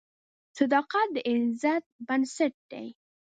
صداقت د عزت بنسټ دی.